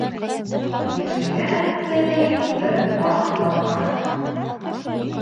Йәшәгән, ти, бер ҡарт ҡарға.